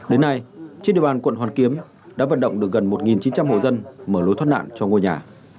đến nay chiếc điều an quận hoàn kiếm đã vận động được gần một chín trăm linh hồ dân mở lối thoát nạn cho ngôi nhà